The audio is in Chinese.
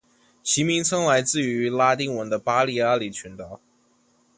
其名称来自于拉丁文的巴利阿里群岛。